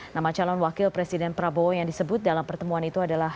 nama calon wakil presiden prabowo yang disebut dalam pertemuan itu adalah